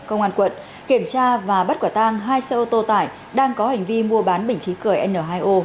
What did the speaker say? công an quận kiểm tra và bắt quả tang hai xe ô tô tải đang có hành vi mua bán bình khí cười n hai o